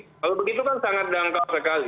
kalau begitu kan sangat dangkal sekali